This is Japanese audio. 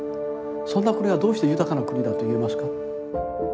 そんな国がどうして豊かな国だと言えますか？